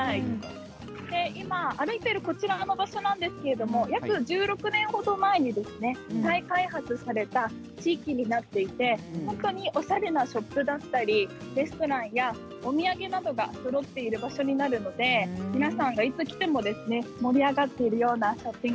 今歩いているこちらの場所なんですけれども約１６年程前に再開発された地域になっておりまして本当におしゃれなショップだったりレストランやお土産屋などがそろっている場所になるので皆さんがいつ来ても盛り上がっているようなショッピング